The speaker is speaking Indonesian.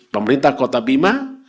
pemerintah kota bima